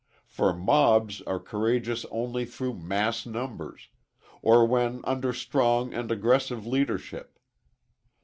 For mobs are courageous only through mass numbers; or when under strong and aggressive leadership.